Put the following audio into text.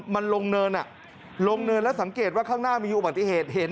มันลงเนินลงเนินแล้วสังเกตว่าข้างหน้ามีอุบัติเหตุเห็น